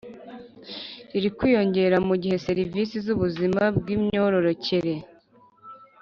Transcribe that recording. riri kwiyongera mu gihe serivisi z’ubuzima bw’imyororokere